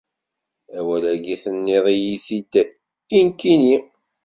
Awal-agi tenniḍ-iyi-t-id i nekkini!